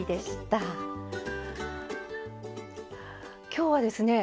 今日はですね